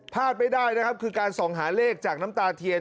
พลาดไม่ได้นะครับคือการส่องหาเลขจากน้ำตาเทียน